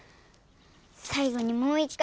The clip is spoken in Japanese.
さいごにもう１回。